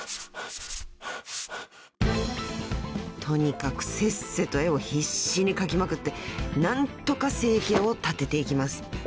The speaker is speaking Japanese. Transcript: ［とにかくせっせと絵を必死に描きまくって何とか生計を立てていきます］